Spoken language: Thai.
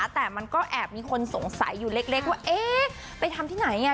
แต่มันก็แอบมีคนสงสัยอยู่เล็กว่าเอ๊ะไปทำที่ไหนอ่ะ